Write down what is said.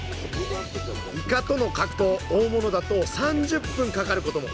イカとの格闘大物だと３０分かかることも。